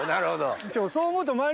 でもそう思うと。